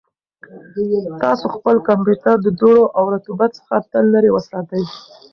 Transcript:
تاسو خپل کمپیوټر د دوړو او رطوبت څخه تل لرې وساتئ.